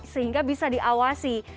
sehingga bisa diawasi